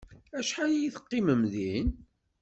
Acḥal ay teqqimem din?